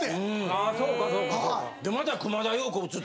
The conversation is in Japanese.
ああそうかそうか。